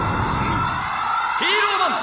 ヒーローマン！